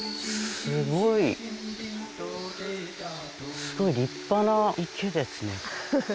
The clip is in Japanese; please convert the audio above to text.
すごい立派な池ですね。